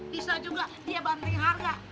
bisa juga dia bandri harga